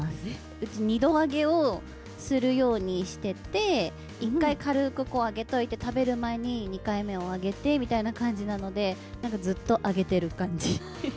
うち、２度揚げをするようにしてて、１回、軽く揚げといて、食べる前に２回目を揚げてみたいな感じなので、なんかずっと揚げてる感じ。